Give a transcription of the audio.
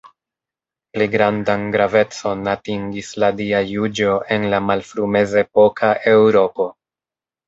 Pli grandan gravecon atingis la Dia juĝo en la malfru-mezepoka Eŭropo.